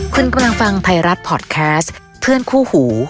คุณกำลังฟังไทยรัฐพอร์ตแคสต์เพื่อนคู่หู